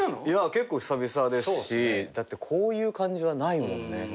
いや結構久々ですしだってこういう感じはないもんね。